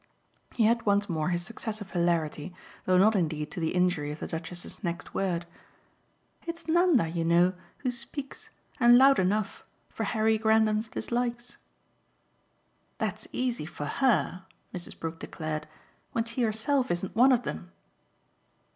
He had once more his success of hilarity, though not indeed to the injury of the Duchess's next word. "It's Nanda, you know, who speaks, and loud enough, for Harry Grendon's dislikes." "That's easy for her," Mrs. Brook declared, "when she herself isn't one of them."